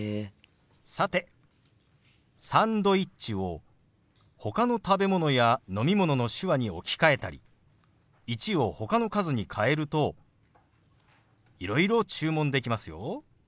さて「サンドイッチ」をほかの食べ物や飲み物の手話に置き換えたり「１」をほかの数に変えるといろいろ注文できますよ。